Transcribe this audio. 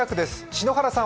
篠原さん。